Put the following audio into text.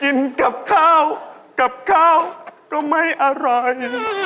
กินกับข้าวกับข้าวก็ไม่อร่อย